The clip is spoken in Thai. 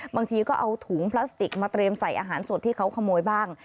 บางทีก็เอาถุงพลาสติกมาเตรียมใส่อาหารสดที่เขาขโมยบ้าง